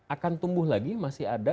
akan tumbuh lagi masih ada